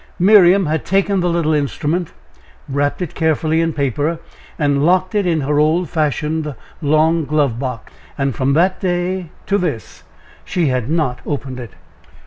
Miriam had taken the little instrument, wrapped it carefully in paper, and locked it in her old fashioned long glove box. And from that day to this she had not opened it.